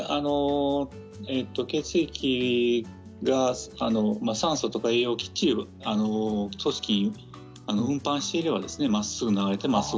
血液が酸素とか栄養、きっちり組織を運搬していればまっすぐ流れています。